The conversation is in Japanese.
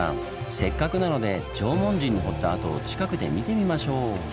せっかくなので縄文人の掘った跡を近くで見てみましょう！